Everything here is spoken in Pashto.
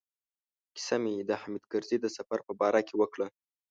کیسه مې د حامد کرزي د سفر په باره کې وکړه.